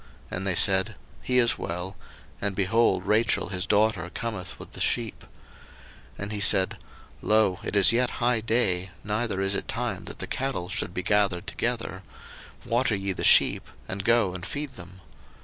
And they said, He is well: and, behold, Rachel his daughter cometh with the sheep. 01:029:007 And he said, Lo, it is yet high day, neither is it time that the cattle should be gathered together: water ye the sheep, and go and feed them.